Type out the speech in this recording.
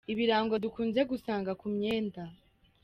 Ibirango dukunze gusanga ku myenda.